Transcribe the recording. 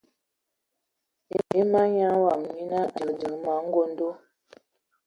E manyaŋ wɔm nyina a diŋ ma angondo.